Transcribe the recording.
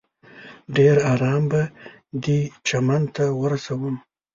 ډېر ارام به دې چمن ته ورسوم.